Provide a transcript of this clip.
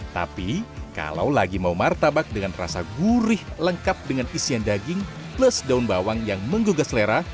tapi kalau lagi mau martabak dengan rasa gurih lengkap dengan isian daging plus daun bawang yang menggugah selera